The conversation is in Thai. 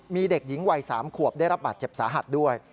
มีเด็กหญิงวัย๓ขวบได้รับบาดเจ็บสาหัสด้วย